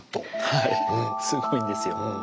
はいすごいんですよ。